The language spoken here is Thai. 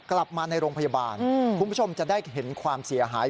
กลับมาในโรงพยาบาลคุณผู้ชมจะได้เห็นความเสียหาย